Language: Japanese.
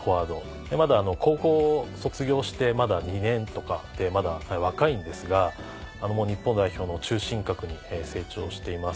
まだ高校を卒業して２年とかでまだ若いんですが日本代表の中心格に成長しています。